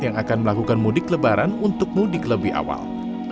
yang akan melakukan mudik lebaran untuk mudik lebih awal